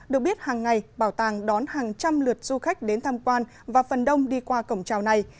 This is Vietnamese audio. được biết hàng ngày bảo tàng đón hàng trăm lượt du khách đến tham quan và phần đông đi qua cổng trào này